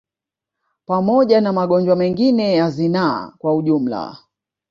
Pamoja na magonjwa mengine ya zinaa kwa ujumla